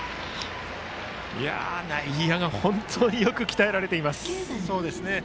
内野が本当によく鍛えられています。